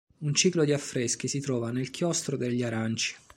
Un ciclo di affreschi si trova nel chiostro degli Aranci.